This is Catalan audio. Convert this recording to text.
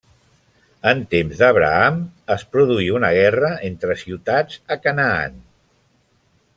En temps d'Abraham, es produí una guerra entre ciutats a Canaan.